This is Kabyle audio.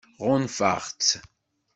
Ɣunfaɣ-tt.